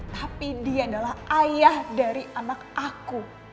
tapi dia adalah ayah dari anak aku